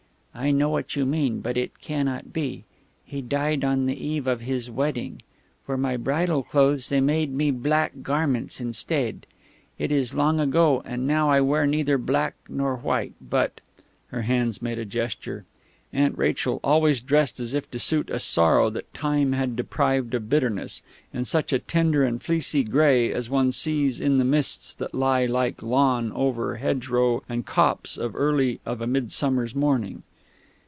I know what you mean, but it cannot be.... He died on the eve of his wedding. For my bridal clothes they made me black garments instead. It is long ago, and now I wear neither black nor white, but " her hands made a gesture. Aunt Rachel always dressed as if to suit a sorrow that Time had deprived of bitterness, in such a tender and fleecy grey as one sees in the mists that lie like lawn over hedgerow and copse early of a midsummer's morning.